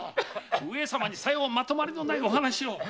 上様にさようまとまりのないお話を。